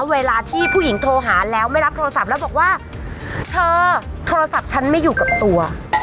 เวลาที่ผู้หญิงโทรหาแล้วไม่รับโทรศัพท์แล้วบอกว่าเธอโทรศัพท์ฉันไม่อยู่กับตัว